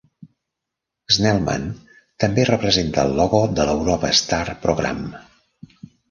Snellman, també representa el logo de l'Europa Star Programme.